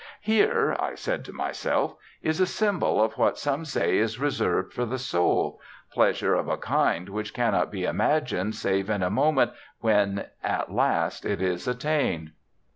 "Here," I said to myself, "is a symbol of what some say is reserved for the soul: pleasure of a kind which cannot be imagined save in a moment when at last it is attained."